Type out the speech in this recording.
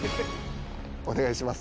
お願いします。